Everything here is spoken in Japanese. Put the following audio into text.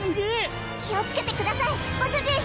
気を付けてくださいご主人！